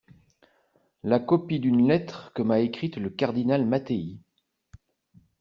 la copie d'une lettre que m'a écrite le cardinal Mattei.